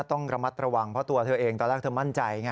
ต้องระมัดระวังเพราะตัวเธอเองตอนแรกเธอมั่นใจไง